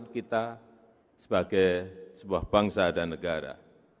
kita sebagai sebuah bangsa dan negara